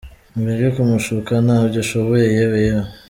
Mureke kumushuka ntabyo ashoboye yewe yewe.